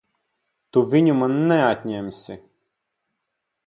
Tu viņu man neatņemsi!